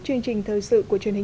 chương trình thời sự của truyền hình